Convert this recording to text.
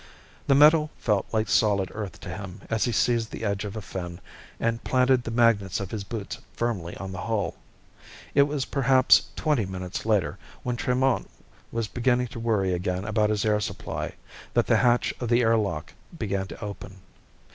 The metal felt like solid Earth to him as he seized the edge of a fin and planted the magnets of his boots firmly on the hull. It was perhaps twenty minutes later, when Tremont was beginning to worry again about his air supply, that the hatch of the air lock began to open.